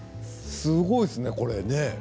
すごいですね、これ。